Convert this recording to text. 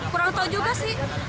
kurang tahu juga sih